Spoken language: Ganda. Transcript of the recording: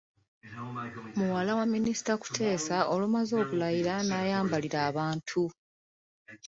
Muwala wa Minisita Kuteesa, olumaze okulayira n’ayambalira abantu.